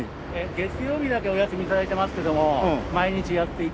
月曜日だけお休み頂いてますけども毎日やっていて。